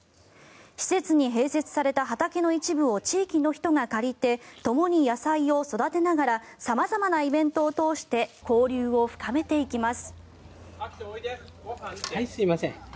施設に併設された畑の一部を地域の人が借りてともに野菜を育てながら様々なイベントを通して交流を深めていきます。